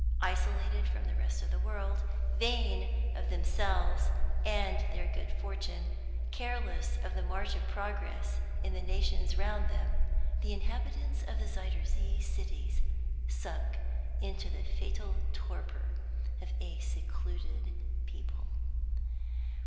Isolated from the rest of the world, vain of themselves and their good fortune, careless of the march of progress in the nations round them, the inhabitants of the Zuyder Zee cities sunk into the fatal torpor of a secluded people.